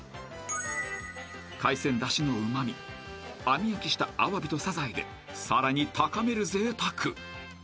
［海鮮だしのうま味網焼きしたアワビとサザエでさらに高めるぜいたく］